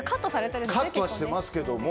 カットはしてますけども。